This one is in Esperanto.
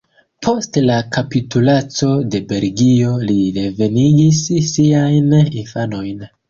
Post la kapitulaco de Belgio li revenigis siajn infanojn.